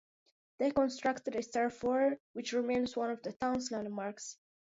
They constructed a star fort which remains one of the town's landmarks.